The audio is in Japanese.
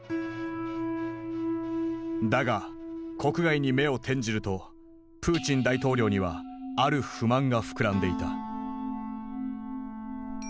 だが国外に目を転じるとプーチン大統領にはある不満が膨らんでいた。